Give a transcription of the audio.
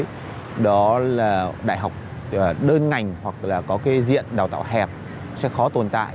trường đại học của thế giới đó là đại học đơn ngành hoặc là có cái diện đào tạo hẹp sẽ khó tồn tại